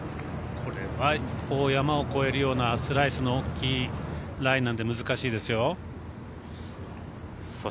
これは山を越えるようなスライスの大きいライなんで難しいですよ。